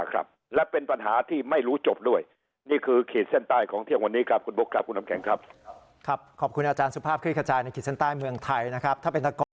ก็จะรู้จบด้วยนี่คือเขตเส้นใต้ของเที่ยววันนี้ครับคุณบกครับคุณอำแข็งครับครับขอบคุณอาจารย์สุภาพเครียดขจายในเขตเส้นใต้เมืองไทยนะครับถ้าเป็น